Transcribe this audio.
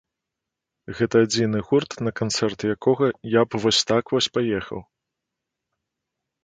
Гэта адзіны гурт, на канцэрт якога я б вось так вось паехаў.